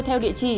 theo địa chỉ